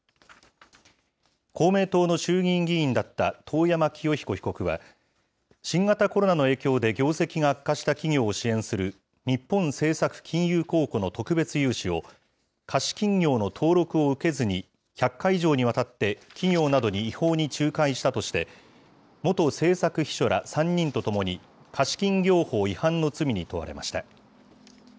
公明党の衆議院議員だった遠山清彦被告は、新型コロナの影響で業績が悪化した企業を支援する日本政策金融公庫の特別融資を、貸金業の登録を受けずに１００回以上にわたって企業などに違法に仲介したとして、元政策秘書ら３人とともに貸金業法違反の罪に問われました。